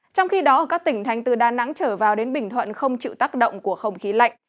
trong khi đó các tỉnh thành từ đà nẵng trở vào đến bình thuận không chịu tác động của không khí lạnh